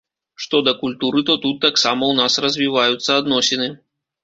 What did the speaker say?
Што да культуры, то тут таксама ў нас развіваюцца адносіны.